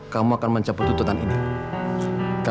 tahan sebentar tika